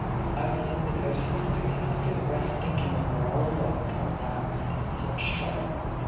I've been in with her since three. I couldn't rest thinkin' of 'er all alone, pore lamb I and in such tjrouble.